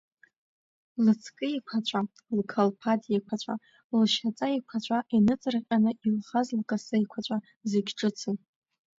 Лыҵкы еиқәаҵәа, лқлаԥад еиқәаҵәа, лшьаҵа еиқәаҵәа, иныҵырҟьаны илхаз лкасы еиқәаҵәа, зегь ҿыцын.